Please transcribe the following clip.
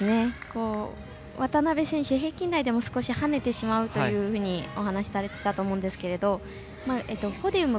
渡部選手、平均台でも少し跳ねてしまうというようにお話されてたと思うんですけどポディウム